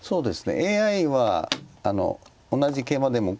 ＡＩは同じケイマでも。